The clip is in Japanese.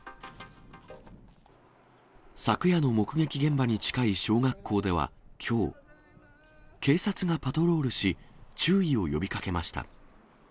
昨夜の目撃現場に近い小学校ではきょう、警察がパトロールし、注意を呼びかけました。